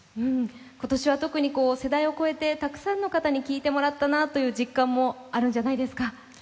今年は特に世代を超えてたくさんの方に聴いてもらったなという実感もあるんじゃないですか？